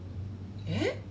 えっ？